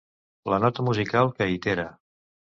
La nota musical que itera.